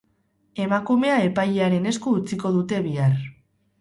Emakumea epailearen esku utziko dute bihar.